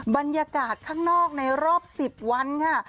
บรรยากาศข้างนอกในรอบ๑๐วันค่ะ